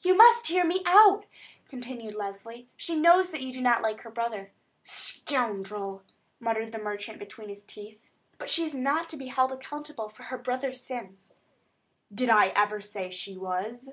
"You must hear me out," continued Leslie. "She knows also that you do not like her brother." "Scoundrel!" muttered the merchant between his teeth. "But she is not to be held accountable for her brother's sins." "Did I ever say she was?"